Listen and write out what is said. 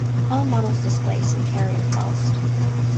All models displace and carry of ballast.